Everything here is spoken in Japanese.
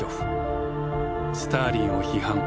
スターリンを批判